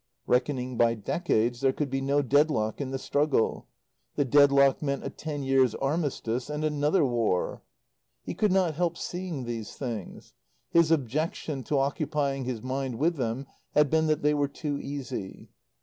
Reckoning by decades, there could be no deadlock in the struggle; the deadlock meant a ten years' armistice and another war. He could not help seeing these things. His objection to occupying his mind with them had been that they were too easy.